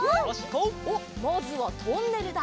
おっまずはトンネルだ。